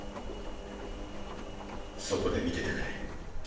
そこで見ててくれ。